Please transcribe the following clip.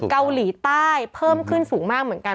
เกาหลีใต้เพิ่มขึ้นสูงมากเหมือนกัน